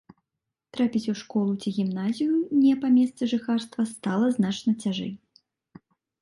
Трапіць у школу ці гімназію не па месцы жыхарства стала значна цяжэй.